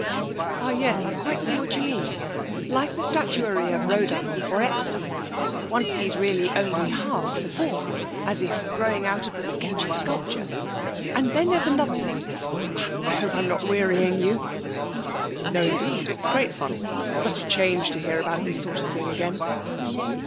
'Ah yes. I quite see what you mean. Like the statuary of Rodin or Epstein. One sees really only half the form, as if growing out of the sketchy sculpture. And then there's another thing I hope I'm not wearying you?' 'No, indeed. It's great fun: such a change to hear about this sort of thing again.'